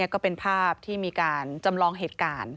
ก็เป็นภาพที่มีการจำลองเหตุการณ์